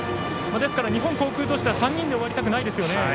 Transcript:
ですから、日本航空としては３人で終わりたくないですよね。